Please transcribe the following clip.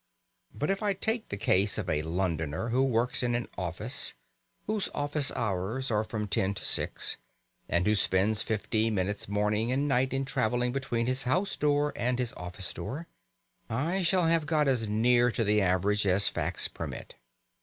But if I take the case of a Londoner who works in an office, whose office hours are from ten to six, and who spends fifty minutes morning and night in travelling between his house door and his office door, I shall have got as near to the average as facts permit.